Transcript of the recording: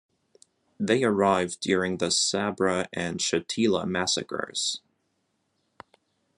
They arrived during the Sabra and Shatila massacres.